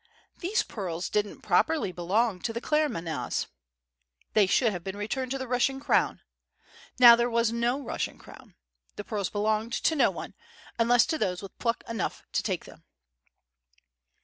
These pearls didn't properly belong to the Claremanaghs. They should have been returned to the Russian Crown. Now, there was no Russian crown. The pearls belonged to no one unless to those with pluck enough to take them.